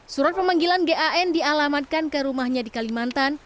surat pemanggilan gan dialamatkan ke rumahnya di kalimantan